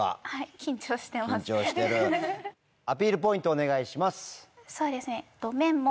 緊張してるアピールポイントお願いします。